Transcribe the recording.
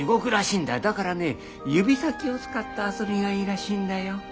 だからね指先を使った遊びがいいらしいんだよ。